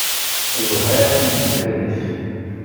Iwehha i yimeddukal-is.